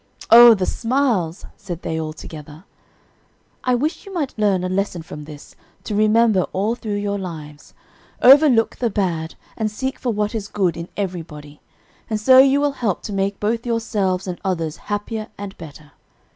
"O, the smiles," said they all together. "I wish you might learn a lesson from this, to remember all through your lives. Overlook the bad and seek for what is good in everybody; and so you will help to make both yourselves and others happier and better.